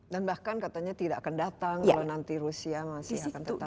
dan bahkan katanya tidak akan datang kalau nanti rusia masih akan tetap